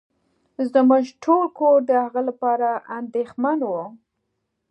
زمونږ ټول کور د هغه لپاره انديښمن وه.